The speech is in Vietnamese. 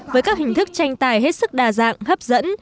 với các hình thức tranh tài hết sức đa dạng hấp dẫn